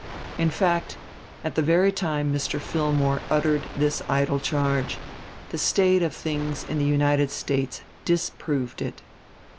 In fact, at the very time Mr. Fillmore uttered this idle charge, the state of things in the United States disproved it.